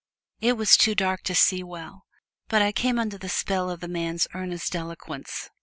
It was too dark to see well, but I came under the spell of the man's earnest eloquence.